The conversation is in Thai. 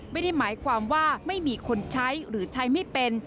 ไม่ได้หมายความว่าไม่มีคนใช้หรือใช้ไม่เป็น